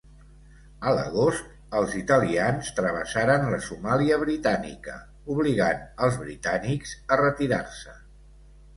A l'agost, els italians travessaren la Somàlia britànica obligant als britànics a retirar-se.